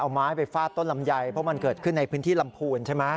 เอาไม้ไปฟาดต้นลำไยเพราะมันเกิดขึ้นในพื้นที่ลำพูนใช่ไหม